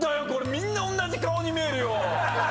みんなおんなじ顔に見えるよ！